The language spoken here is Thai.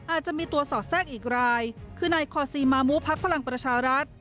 อาจจะมีตัวสอดแทรกอีกรายคือนายคอซีมามูพักพลังประชารัฐ